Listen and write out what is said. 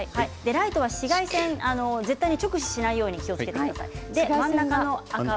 ライトは絶対に直視しないように気をつけてください。